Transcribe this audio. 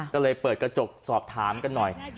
ก็เลยเปิดกระจกสอบถามกันหน่อย